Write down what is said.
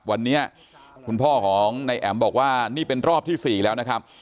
วันนี้คุณพ่อของนายแอ๋มบอกว่านี่เป็นรอบที่๔แล้วนะครับ